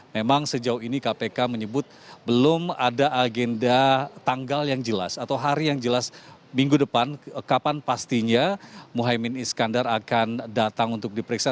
memang sejauh ini kpk menyebut belum ada agenda tanggal yang jelas atau hari yang jelas minggu depan kapan pastinya muhaymin iskandar akan datang untuk diperiksa